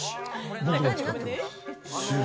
僕も使ってます。